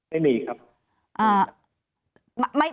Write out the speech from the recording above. ไม่มีครับ